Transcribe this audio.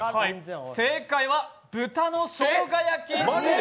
正解は豚のしょうが焼きです。